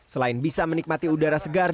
selain bisa menikmati udara segar